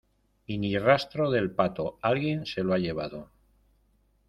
y ni rastro del pato, alguien se lo ha llevado.